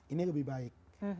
ini lebih baik